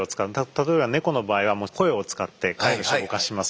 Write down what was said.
例えば猫の場合はもう声を使って飼い主を動かしますので。